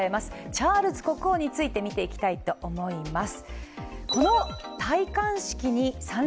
チャールズ国王について見ていきたいと思います。